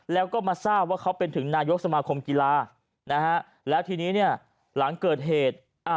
แล้วก็มาทราบว่าเขาเป็นถึงนายกสมาคมกีฬานะฮะแล้วทีนี้เนี่ยหลังเกิดเหตุ